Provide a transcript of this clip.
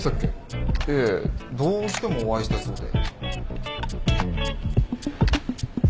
どうしてもお会いしたいそうで。